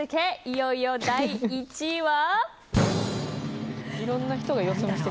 いよいよ第１位は。